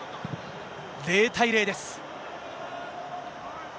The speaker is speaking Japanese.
０対０です。